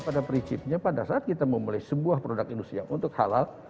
pada prinsipnya pada saat kita memulai sebuah produk industri yang untuk halal